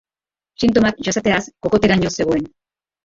Sintomak jasateaz kokoteraino zegoen.